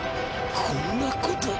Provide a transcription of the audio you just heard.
こんなこと。